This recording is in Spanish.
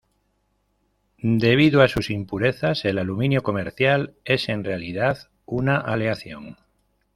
Debido a sus impurezas, el aluminio comercial es en realidad una aleación.